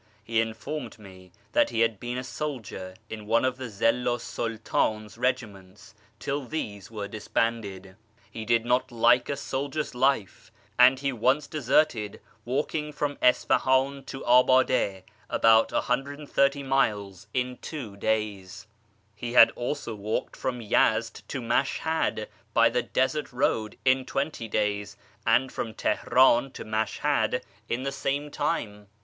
He told me .hat he had been a soldier in one of the Zillu 's Sultan's regiments ill these were disbanded. He did not like a soldier's life, and lad once deserted, walking from Isfahan to Abade (about 130 ailes) in two days. He had also walked from Yezd to Mash lad by the desert road in twenty days, and from Teheran to tiashhad in the same time.